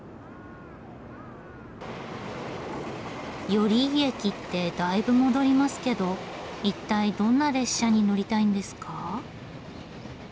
寄居駅ってだいぶ戻りますけど一体どんな列車に乗りたいんですか？